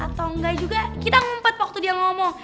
atau enggak juga kita ngumpet waktu dia ngomong